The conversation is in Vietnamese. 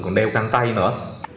còn đeo căng tay nữa